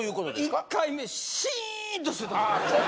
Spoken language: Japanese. １回目シーンとしてたもん